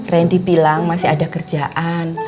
randy bilang masih ada kerjaan